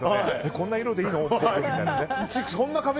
こんな色でいいの？ってね。